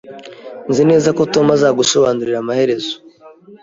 Nzi neza ko Tom azagusobanurira amaherezo